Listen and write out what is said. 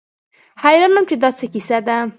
حيران وم چې دا څه کيسه ده.